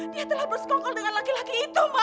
dia telah bersekongkol dengan laki laki itu